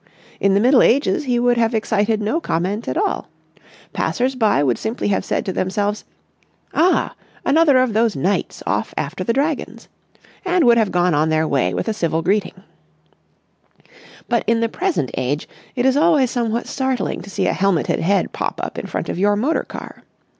In the Middle Ages he would have excited no comment at all. Passers by would simply have said to themselves, "Ah, another of those knights off after the dragons!" and would have gone on their way with a civil greeting. But in the present age it is always somewhat startling to see a helmeted head pop up in front of your motor car.